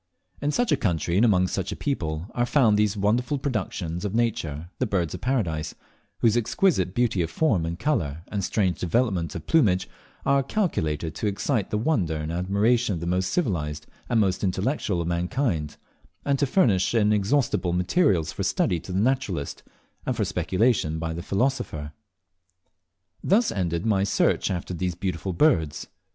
In such a country, and among such a people, are found these wonderful productions of Nature, the Birds of Paradise, whose exquisite beauty of form and colour and strange developments of plumage are calculated to excite the wonder and admiration of the most civilized and the most intellectual of mankind, and to furnish inexhaustible materials for study to the naturalist, and for speculation to the philosopher. Thus ended my search after these beautiful birds.